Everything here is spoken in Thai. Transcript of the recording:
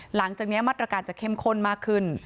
หลังจากนี้มาตรการจะเข้มข้นมากขึ้น